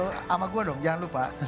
oh sama gue dong jangan lupa